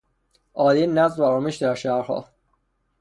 اعادهی نظم و آرامش در شهرها